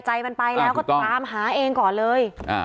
ใจมันไปแล้วก็ตามหาเองก่อนเลย